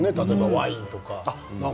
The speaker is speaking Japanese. ワインとか。